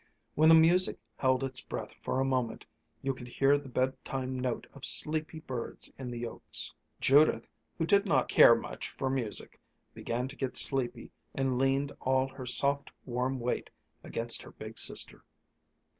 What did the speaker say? When the music held its breath for a moment you could hear the bedtime note of sleepy birds in the oaks. Judith, who did not care much for music, began to get sleepy and leaned all her soft, warm weight against her big sister.